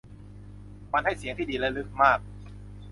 มันให้เสียงที่ดีและลึกมาก